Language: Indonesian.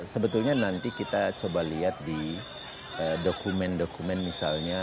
sebetulnya nanti kita coba lihat di dokumen dokumen misalnya